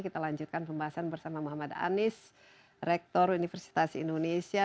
kita lanjutkan pembahasan bersama muhammad anies rektor universitas indonesia